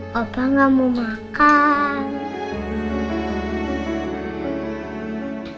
papa gak mau makan